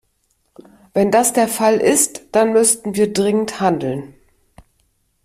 Wenn das der Fall ist, dann müssen wir dringend handeln.